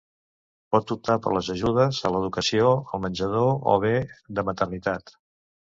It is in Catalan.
Pot optar per les ajudes a l'educació, al menjador o bé de maternitat.